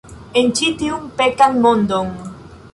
En ĉi tiun pekan mondon.